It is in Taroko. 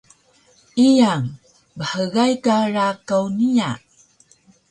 Iyang: Bhgay ka rakaw niya